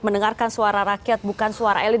mendengarkan suara rakyat bukan suara elit